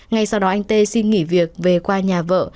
ngay sau đó anh tê xin nghỉ việc về qua nhà vợ